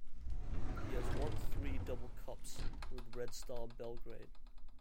He has won three double cups with Red Star Belgrade.